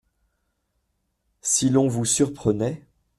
Si l’on vous surprenait…